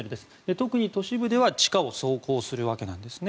特に都市部では地下を走行するわけです。